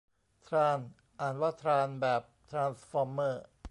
ทราน อ่านว่าทราน แบบทรานสฟอร์มเมอร์